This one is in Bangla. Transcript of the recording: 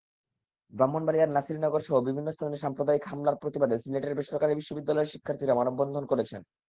ব্রাহ্মণবাড়িয়ার নাসিরনগরসহ বিভিন্ন স্থানে সাম্প্রদায়িক হামলার প্রতিবাদে সিলেটের বেসরকারি বিশ্ববিদ্যালয়ের শিক্ষার্থীরা মানববন্ধন করেছেন।